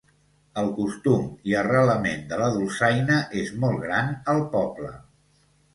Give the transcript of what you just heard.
El costum i arrelament de la dolçaina és molt gran al poble.